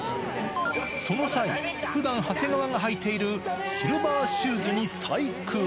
その際、ふだん長谷川が履いているシルバーシューズに細工。